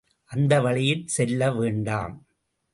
அந்தவழியில் செல்ல வேண்டாம்!